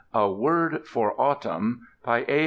A WORD FOR AUTUMN By A.